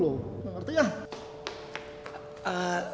gak ngerti ya